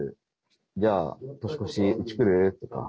「じゃあ年越しうち来る？」とか。